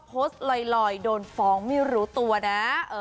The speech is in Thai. โพสต์ลอยโดนฟ้องไม่รู้ตัวนะ